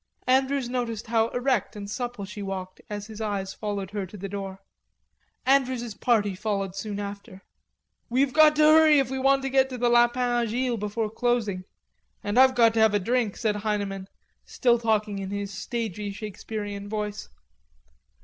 Andrews noticed how erect and supple she walked as his eyes followed her to the door. Andrews's party followed soon after. "We've got to hurry if we want to get to the Lapin Agile before closing... and I've got to have a drink," said Heineman, still talking in his stagey Shakespearean voice.